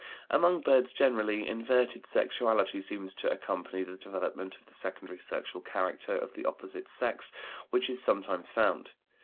Among birds generally, inverted sexuality seems to accompany the development of the secondary sexual characters of the opposite sex which is sometimes found.